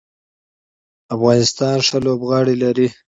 افغانستان ښه لوبغاړي لري.